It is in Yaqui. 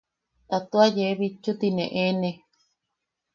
Ta tua yee bitchu tine eene.